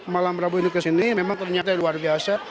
malam rabu ini kesini memang ternyata luar biasa